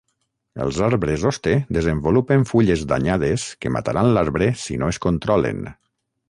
Els arbres hoste desenvolupen fulles danyades que mataran l"arbre si no es controlen.